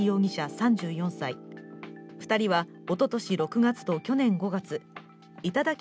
３４歳、２人はおととし６月と去年５月頂き